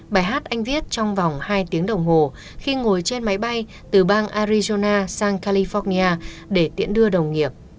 bài hát anh viết trong vòng hai tiếng đồng hồ khi ngồi trên máy bay từ bang arizona sang california để tiễn đưa đồng nghiệp